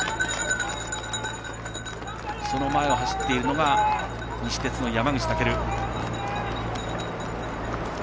その前を走っているのが西鉄の山口武。